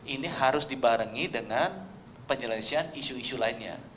ini harus dibarengi dengan penyelesaian isu isu lainnya